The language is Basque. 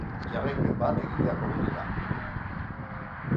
Jarraipen bat egitea komeni da.